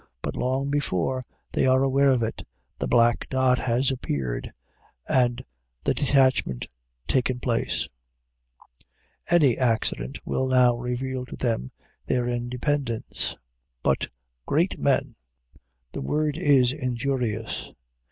But long before they are aware of it, the black dot has appeared, and the detachment taken place. Any accident will now reveal to them their independence. But great men the word is injurious.